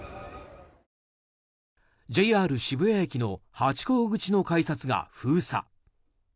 ＪＲ渋谷駅のハチ公口の改札が封鎖。